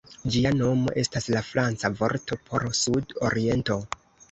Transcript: Ĝia nomo estas la franca vorto por "sud-oriento".